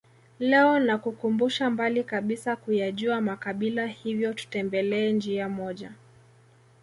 Leo nakukumbusha mbali kabisa kuyajua makabila hivyo tutembelee njia moja